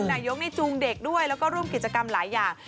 นายกนี่จูงเด็กด้วยแล้วก็ร่วมกิจกรรมหลายอย่าง